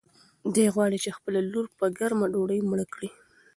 دی غواړي چې خپله لور په ګرمه ډوډۍ مړه کړي.